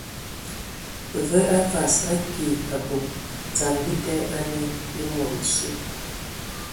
Və a vas, a ki ! Abom dzam dəda anə e mod osu.